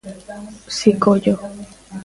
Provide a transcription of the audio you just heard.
Si collo.